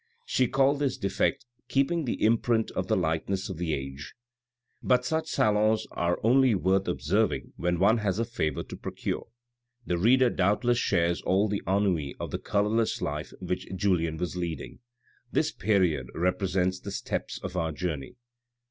She called this defect : Keeping the imprint of the lightness of the age. But such salons are only worth observing when one has a favour to procure. The reader doubtless shares all the ennui of the colourless life which Julien was leading. This period represents the steppes of our journey.